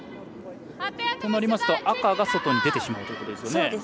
となりますと赤が外に出てしまうということですよね。